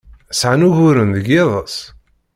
Sɛan uguren deg yiḍes?